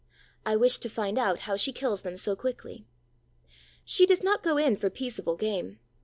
I wished to find out how she kills them so quickly. She does not go in for peaceable game.